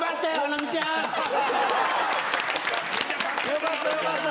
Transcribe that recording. よかったよかった！